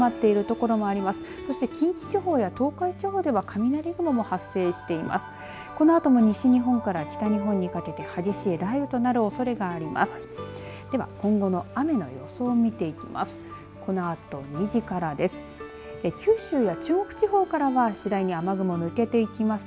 このあとも西日本から北日本にかけて激しい雷雨となるおそれがあります。